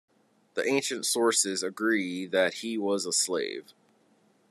The ancient sources agree that he was a slave.